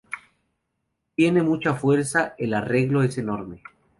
Tiene mucha fuerza, el arreglo es enorme.